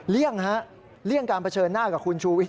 เลี่ยงฮะเหลี่ยงการประเฉินหน้ากับคุณชูวิด